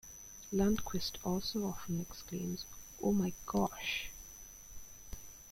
Lundquist also often exclaims Oh My Gosh!